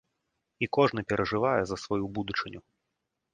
І кожны перажывае за сваю будучыню!